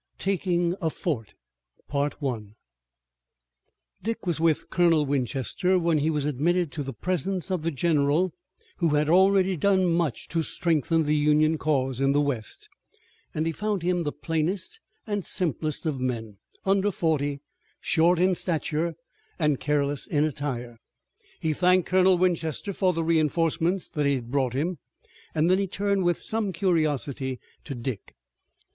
TAKING A FORT Dick was with Colonel Winchester when he was admitted to the presence of the general who had already done much to strengthen the Union cause in the west, and he found him the plainest and simplest of men, under forty, short in stature, and careless in attire. He thanked Colonel Winchester for the reinforcement that he had brought him, and then turned with some curiosity to Dick.